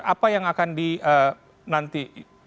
apa yang akan di nanti